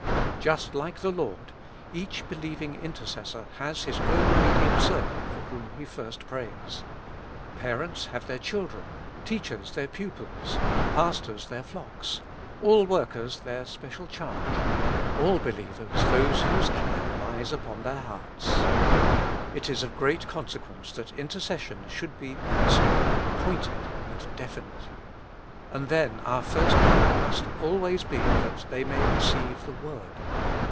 Just like the Lord, each believing intercessor has 221 With Christ in the School of Prayer. his own immediate circle for whom He first prays. Parents have their children, teachers their pupils, pastors their flocks, all workers their special charge, all believers those whose care lies upon their hearts. It is of great consequence that intercession should be personal, pointed and definite. And then our first prayer must always be that they may receive the word.